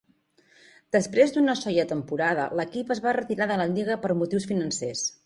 Després d'una soia temporada, l'equip es va retirar de la lliga per motius financers.